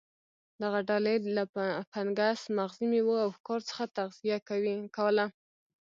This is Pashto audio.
دغه ډلې له فنګس، مغزي میوو او ښکار څخه تغذیه کوله.